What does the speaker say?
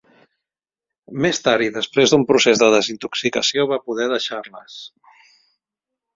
Més tard i després d'un procés de desintoxicació va poder deixar-les.